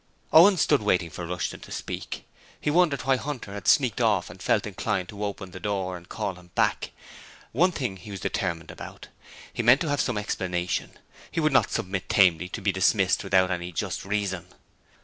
Owen stood waiting for Rushton to speak. He wondered why Hunter had sneaked off and felt inclined to open the door and call him back. One thing he was determined about: he meant to have some explanation: he would not submit tamely to be dismissed without any just reason.